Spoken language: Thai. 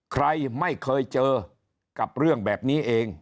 ใครไม่เคยเจอกับเรื่องแบบนี้เอง